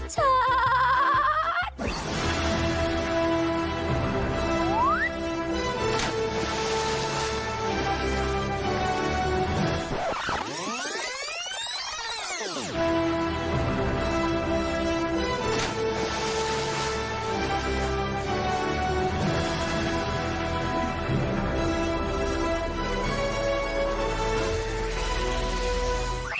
ไปเลยนะ